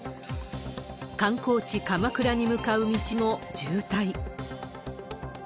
観光地、鎌倉に向かう道も渋滞。